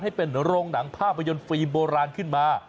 ให้เป็นโรงหนังภาพยนตร์ฟิล์มโบราณขึ้นมา